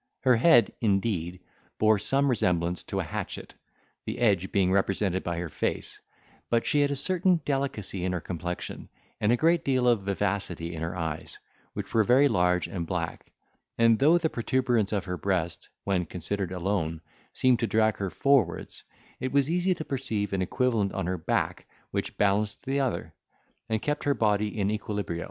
Her head, indeed, bore some resemblance to a hatchet, the edge being represented by her face; but she had a certain delicacy in her complexion, and a great deal of vivacity in her eyes, which were very large and black; and, though the protuberance of her breast, when considered alone, seemed to drag her forwards, it was easy to perceive an equivalent on her back which balanced the other, and kept her body in equilibrio.